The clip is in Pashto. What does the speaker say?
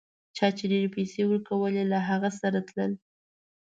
چا چي ډېرې پیسې ورکولې له هغه سره تلل.